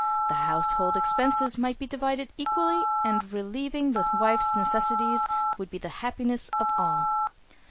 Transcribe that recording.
The household expenses might be divided equally and relieving the wife's necessities would be the happiness of all.